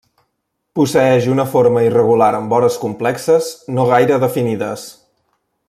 Posseeix una forma irregular amb vores complexes, no gaire definides.